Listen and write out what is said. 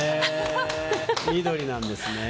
緑なんですね。